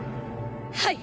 はい！